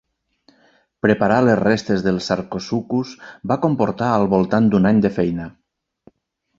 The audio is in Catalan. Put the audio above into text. Preparar les restes del 'Sarcosuchus' va comportar al voltant d'un any de feina.